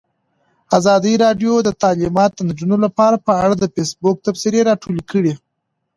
ازادي راډیو د تعلیمات د نجونو لپاره په اړه د فیسبوک تبصرې راټولې کړي.